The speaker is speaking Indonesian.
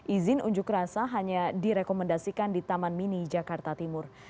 izin unjuk rasa hanya direkomendasikan di taman mini jakarta timur